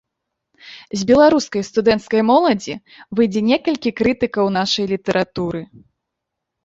З беларускай студэнцкай моладзі выйдзе некалькі крытыкаў нашай літаратуры.